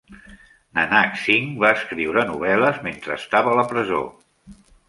Nanak Singh va escriure novel·les mentre estava en presó.